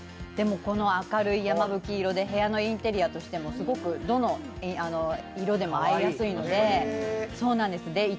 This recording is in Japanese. この明るい山吹色で部屋のインテリアとしてもすごく、どの色でも合いやすいので。